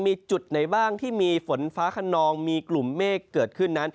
มีจุดไหนบ้างที่มีฝนฟ้าขนองมีกลุ่มเมฆเกิดขึ้นนั้น